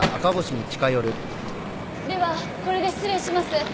ではこれで失礼します。